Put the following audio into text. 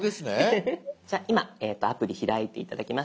じゃあ今アプリ開いて頂きました。